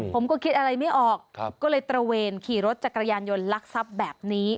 ผมก็คิดอะไรไม่ออกก็เลยตระเวนขี่รถจักรยานยนต์ลักทรัพย์แบบนี้